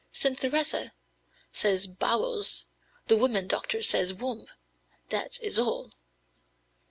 St. Theresa says 'bowels,' the woman doctor says 'womb,' that is all."